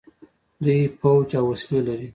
دوی پوځ او وسلې لري.